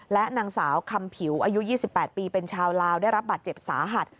และนางสาวคำผิวอายุ๒๘ปีเป็นชาวลาวได้รับบาดเจ็บสาหัส